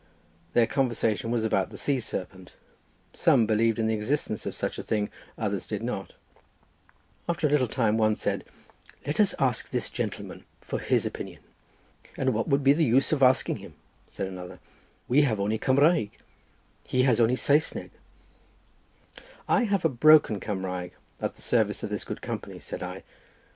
Their conversation was about the sea serpent; some believed in the existence of such a thing, others did not—after a little time one said, "Let us ask this gentleman for his opinion." "And what would be the use of asking him?" said another, "we have only Cumraeg, and he has only Saesneg." "I have a little broken Cumraeg, at the service of this good company," said I.